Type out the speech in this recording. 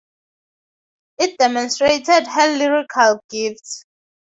It demonstrated her lyrical gifts.